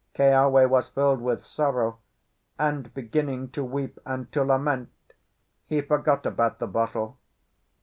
Keawe was filled with sorrow, and, beginning to weep and to lament, he forgot about the bottle.